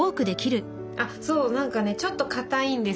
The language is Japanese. そう何かねちょっとかたいんですよ。